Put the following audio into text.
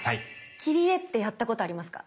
切り絵ってやったことありますか？